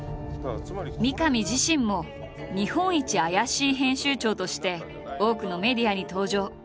三上自身も日本一アヤシイ編集長として多くのメディアに登場。